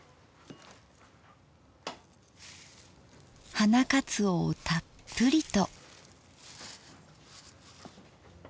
花かつおをたっぷりと。